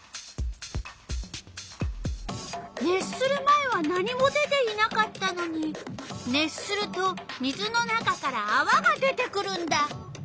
熱する前は何も出ていなかったのに熱すると水の中からあわが出てくるんだ。